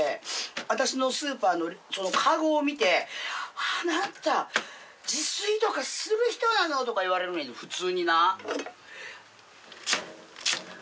私のスーパーの籠を見て「あなた自炊とかする人なの？」言われるねんで普通にな。